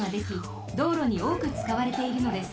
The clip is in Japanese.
道路におおくつかわれているのです。